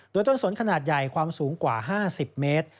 โดยต้นสนขนาดใหญ่ความสูงกว่า๕๐เมตร